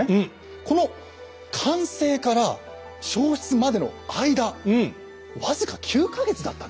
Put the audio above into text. この完成から消失までの間僅か９か月だったんですよ。